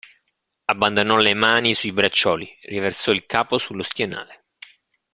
Abbandonò le mani sui braccioli, riversò il capo sullo schienale.